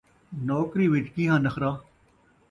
نوکری وِچ کیہاں نخرہ